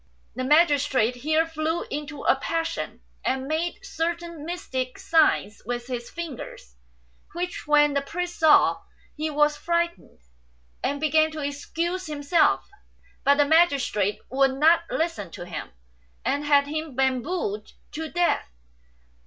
The magistrate here flew into a passion, and made certain mystic signs with his fingers, which when the priest saw he was frightened, and began to excuse himself; but the magistrate would not listen to him, and had him bambooed to death.